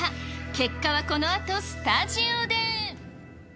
結果はこのあとスタジオで。